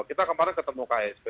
kita kemarin ketemu ksb